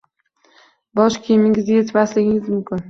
Bosh kiyimingizni yechmasligingiz mumkin.